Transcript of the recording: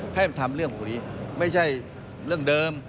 ให้มันทำเรื่องพวกนี้ไม่ใช่เรื่องเดิม